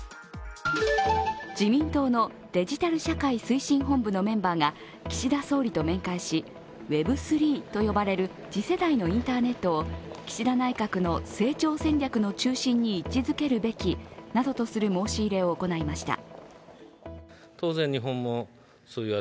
自民党のデジタル社会推進本部のメンバーが岸田総理と面会しＷｅｂ３．０と呼ばれる次世代のインターネットを岸田内閣の成長戦略の中心に位置づけるべきなどとする申し入れを行いました。